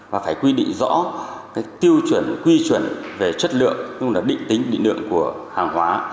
và phải quy định rõ tiêu chuẩn quy chuẩn về chất lượng cũng là định tính định lượng của hàng hóa